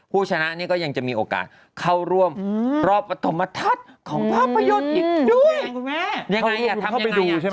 ผู้ชนะเนี่ยก็ยังจะมีโอกาสเข้าร่วมรอบปฐมทัศน์ของภาพยนตร์อีกด้วย